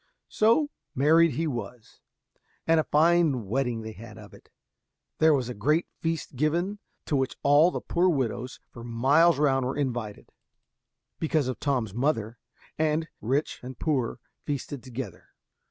So married he was, and a fine wedding they had of it. There was a great feast given, to which all the poor widows for miles round were invited, because of Tom's mother, and rich and poor feasted together.